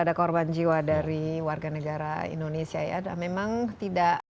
tapi titik beratnya ada wni